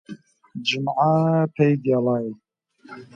جمعە پەی گێڵای